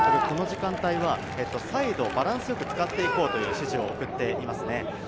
この時間帯はサイド、バランスよく使っていこうという指示を送っています。